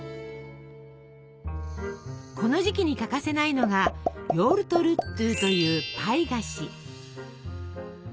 この時期に欠かせないのが「ヨウルトルットゥ」というパイ菓子。